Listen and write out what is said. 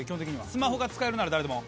スマホが使えるなら誰でも。